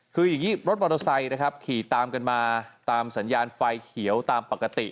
คืออย่างนี้รถมอเตอร์ไซค์นะครับขี่ตามกันมาตามสัญญาณไฟเขียวตามปกติ